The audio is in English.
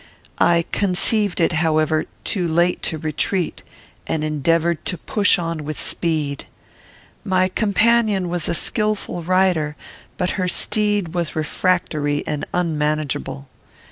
I conceived it, however, too late to retreat, and endeavoured to push on with speed. My companion was a skilful rider, but her steed was refractory and unmanageable.